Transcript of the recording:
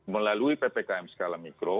melalui ppkm skala mikro